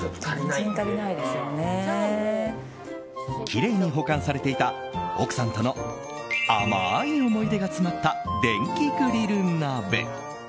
きれいに保管されていた奥さんとの甘い思い出が詰まった電気グリル鍋。